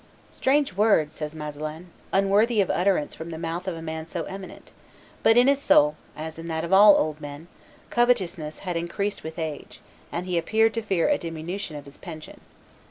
"Strange words," says Masselin, "unworthy of utterance from the mouth of a man so eminent; but in his soul, as in that of all old men, covetousness had increased with age, and he appeared to fear a diminution of his pension."